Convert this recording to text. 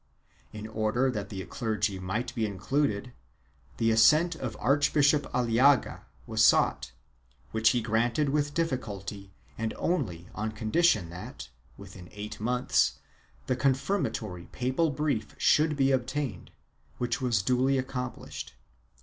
In order that the clergy might be included the assent of Archbishop Aliaga was sought, which he granted with difficulty and only on condition that, within eight months, a confirmatory papal brief should be obtained, which was duly accomplished.